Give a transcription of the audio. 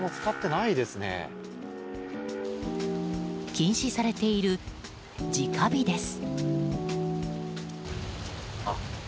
禁止されている直火です。